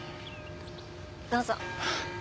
どうぞ。